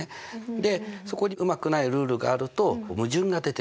でそこにうまくないルールがあると矛盾が出てくるわけ。